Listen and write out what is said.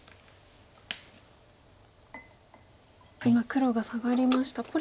今黒がサガりました。